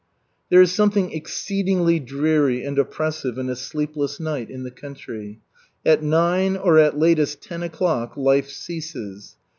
There is something exceedingly dreary and oppressive in a sleepless night in the country. At nine, or at latest ten o'clock, life ceases.